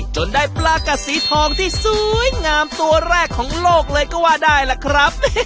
จนได้ปลากัดสีทองที่สวยงามตัวแรกของโลกเลยก็ว่าได้ล่ะครับ